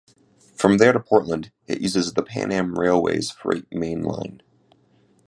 From there to Portland, it uses the Pan Am Railways Freight Main Line.